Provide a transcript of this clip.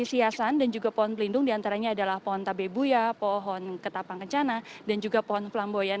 hiasan dan juga pohon pelindung diantaranya adalah pohon tabebuya pohon ketapang kencana dan juga pohon flamboyan